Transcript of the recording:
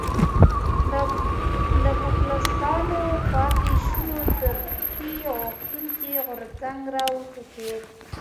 د پوپلستانو پاتې شونو ترقي غوښتونکی غورځنګ را وټوکېد.